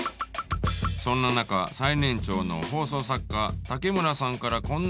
そんな中最年長の放送作家竹村さんからこんな意見が。